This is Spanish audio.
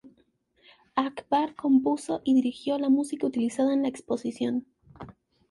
Akbar compuso y dirigió la música utilizada en la exposición.